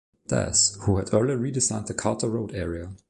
Das, who had earlier redesigned the Carter Road area.